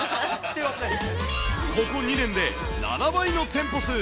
ここ２年で、７倍の店舗数。